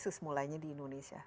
khusus mulainya di indonesia